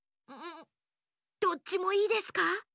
どっちもいいですか？